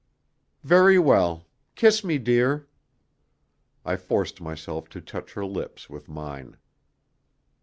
"Very well. Kiss me, dear." I forced myself to touch her lips with mine.